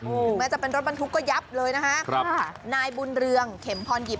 ถึงแม้จะเป็นรถบรรทุกก็ยับเลยนะคะครับนายบุญเรืองเข็มพรหยิบ